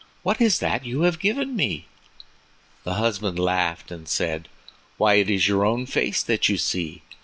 What is it that you have given me?" The husband laughed and said: "Why, it is your own face that you see.